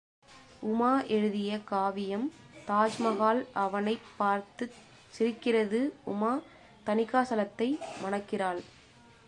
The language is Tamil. உமா எழுதிய காவியம் தாஜ்மகால் அவனைப் பார்த்துச் சிரிக்கிறது உமா தணிகாசலத்தை மணக்கிறாள்!